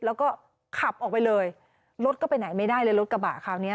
แล้วก็ขับออกไปเลยรถก็ไปไหนไม่ได้เลยรถกระบะคราวนี้